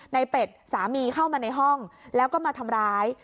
เป็ดสามีเข้ามาในห้องแล้วก็มาทำร้าย